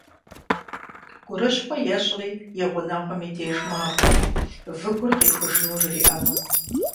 Гурыщхъуэ ещӀри и гъунэгъум и деж макӀуэ, выгур къихужыну жриӏэну.